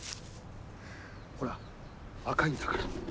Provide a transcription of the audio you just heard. ほら若いんだから。え？